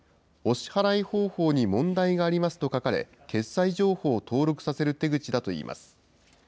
お支払い方法に問題がありますと書かれ、決済情報を登録させる手口だといいます。